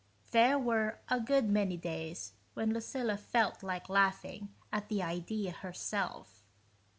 There were a good many days when Lucilla felt like laughing at the idea herself.